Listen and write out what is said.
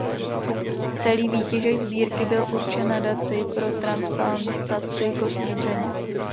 Celý výtěžek sbírky byl určen Nadaci pro transplantaci kostní dřeně.